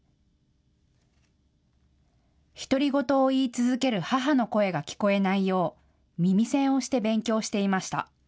独り言を言い続ける母の声が聞こえないよう耳栓をして勉強していました。